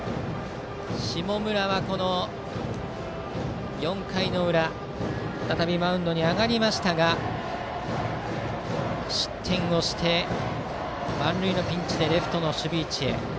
下村は４回の裏、再びマウンドに上がりましたが失点をして、満塁のピンチでレフトの守備位置へ。